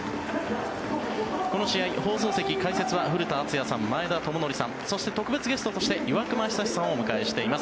この試合、放送席解説は古田敦也さん前田智徳さんそして、特別ゲストとして岩隈久志さんをお迎えしています。